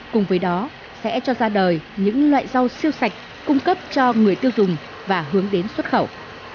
cùng với đó sẽ cho ra đời những loại rau siêu sạch cung cấp cho người tiêu dùng và hướng đến xuất khẩu